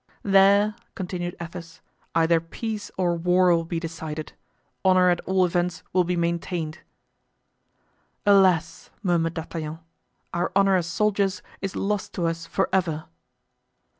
"There," continued Athos, "either peace or war will be decided; honor, at all events, will be maintained!" "Alas!" murmured D'Artagnan, "our honor as soldiers is lost to us forever!"